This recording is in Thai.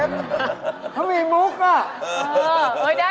เขามีมุกอ่ะ